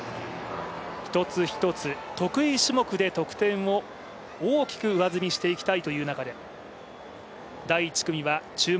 一つ一つ、得意種目で得点を大きく上積みしていきたい中で第１組は注目